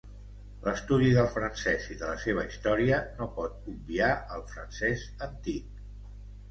L'estudi del francès i de la seva història no pot obviar el francès antic.